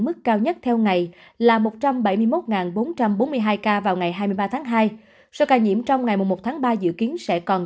mức cao nhất theo ngày là một trăm bảy mươi một bốn trăm bốn mươi hai ca vào ngày hai mươi ba tháng hai số ca nhiễm trong ngày một tháng ba dự kiến sẽ còn